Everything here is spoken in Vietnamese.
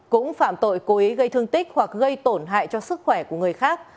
cũng phạm tội cố ý gây thương tích hoặc gây tổn hại cho sức khỏe của người khác